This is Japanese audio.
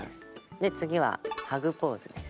で次はハグポーズです。